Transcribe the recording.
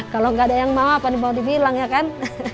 kalau nggak ada yang mau apa nih mau dibilang ya kan